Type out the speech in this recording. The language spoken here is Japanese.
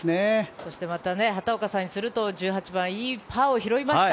そして、また畑岡さんにするといいパーを拾いました。